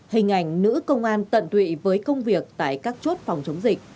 hình ảnh nữ công an tận tụy với công việc tại các chốt phòng chống dịch